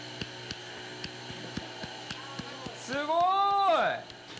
すごーい。